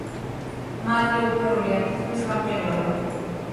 მატლი უფერულია, თითქმის გამჭვირვალე.